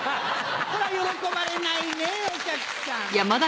こりゃ喜ばれないねお客さん。